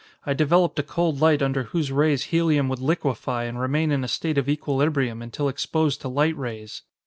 I developed a cold light under whose rays helium would liquefy and remain in a state of equilibrium until exposed to light rays.